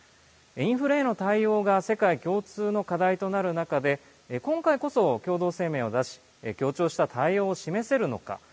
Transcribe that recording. インフレへの対応が世界共通の課題となる中で今回こそ、共同声明を出し協調した対応を示せるのか。